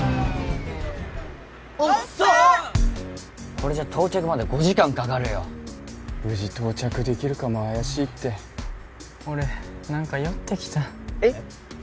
これじゃ到着まで５時間かかるよ無事到着できるかも怪しいって俺何か酔ってきたえっ？